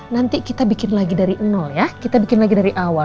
nanti kita bikin lagi dari nol ya kita bikin lagi dari awal